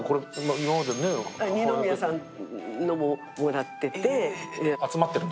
二宮さんのももらってて。